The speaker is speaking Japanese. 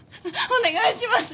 お願いします